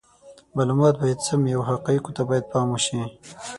معلومات باید سم وي او حقایقو ته باید پام وشي.